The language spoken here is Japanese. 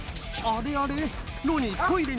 あれあれ？